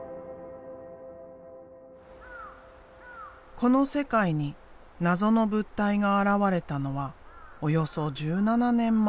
この世界に謎の物体が現れたのはおよそ１７年前。